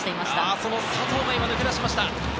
その佐藤が今抜け出しました。